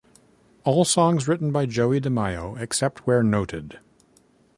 All songs written by Joey DeMaio, except where noted.